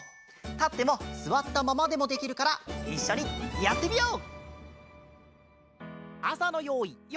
たってもすわったままでもできるからいっしょにやってみよう！